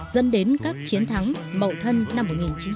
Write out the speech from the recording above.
dân đến các chiến thắng mậu thân năm một nghìn chín trăm sáu mươi tám